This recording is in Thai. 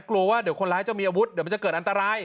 กลัวว่าเดี๋ยวคนร้ายจะมีอาวุธเดี๋ยวมันจะเกิดอันตราย